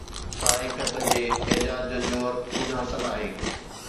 سائي خط جي ايجاد جو جوهر خود حسن آهي